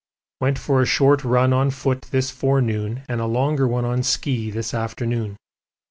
Went for a short run on foot this forenoon and a longer one on ski this afternoon.